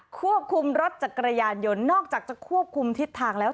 ควบคุมรถจักรยานยนต์นอกจากจะควบคุมทิศทางแล้ว